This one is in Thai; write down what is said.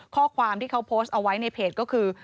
ข้อความที่เขาโพสต์เอาไว้ในเพจก็คือ